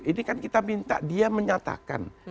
ini kan kita minta dia menyatakan